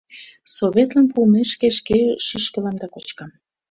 Советлан пуымешке шке шӱшкылам да кочкам.